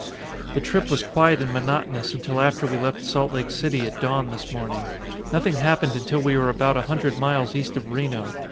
"The trip was quiet and monotonous until after we left Salt Lake City at dawn this morning. Nothing happened until we were about a hundred miles east of Reno.